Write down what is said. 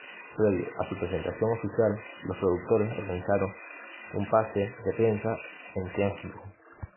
Previo a su presentación oficial, los productores organizaron un pase de prensa en Chengdu.